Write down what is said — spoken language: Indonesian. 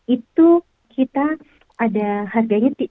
itu kita ada harganya lima belas dolar